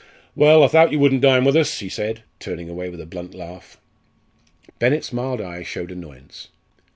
"Well, I thowt you wouldn't dine with us," he said, turning away with a blunt laugh. Bennett's mild eye showed annoyance.